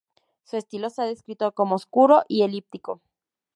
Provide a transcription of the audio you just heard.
Su estilo se ha descrito como oscuro y elíptico.